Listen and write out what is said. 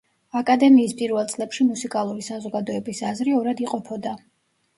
აკადემიის პირველ წლებში მუსიკალური საზოგადოების აზრი ორად იყოფოდა.